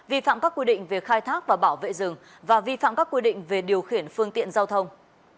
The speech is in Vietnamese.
vi phạm các quy định về khai thác và bảo vệ rừng và vi phạm các quy định về điều khiển phương tiện giao thông